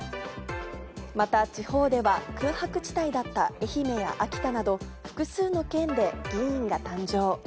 また、地方では、空白地帯だった愛媛や秋田など、複数の県で議員が誕生。